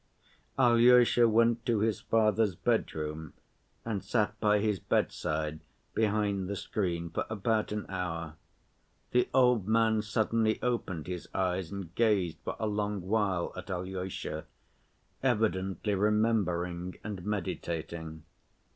Alyosha went to his father's bedroom and sat by his bedside behind the screen for about an hour. The old man suddenly opened his eyes and gazed for a long while at Alyosha, evidently remembering and meditating.